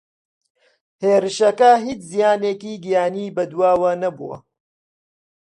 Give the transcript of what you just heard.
هێرشەکە هیچ زیانێکی گیانی بەدواوە نەبووە